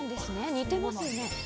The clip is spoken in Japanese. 似てますよね。